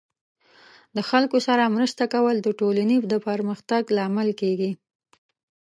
د خلکو سره مرسته کول د ټولنې د پرمختګ لامل کیږي.